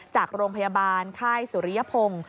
จากโรงพยาบาลไข้ศุริยภง